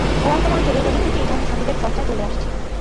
গোয়ালপাড়া অঞ্চলে অতীত থেকে এইধরনের সঙ্গীতের চর্চা চলে আসছে।